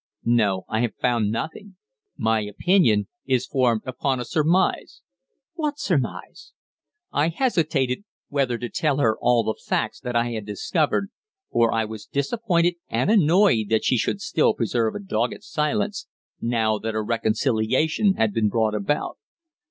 "No, I have found nothing. My opinion is formed upon a surmise." "What surmise?" I hesitated whether to tell her all the facts that I had discovered, for I was disappointed and annoyed that she should still preserve a dogged silence, now that a reconciliation had been brought about.